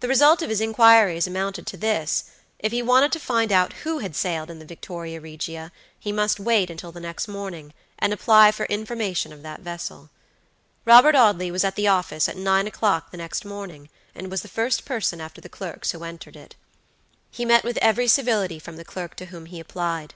The result of his inquiries amounted to thisIf he wanted to find out who had sailed in the Victoria Regia, he must wait till the next morning, and apply for information of that vessel. Robert Audley was at the office at nine o'clock the next morning, and was the first person after the clerks who entered it. He met with every civility from the clerk to whom he applied.